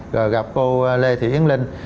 rồi gặp cô lê thị yến linh